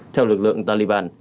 theo lực lượng taliban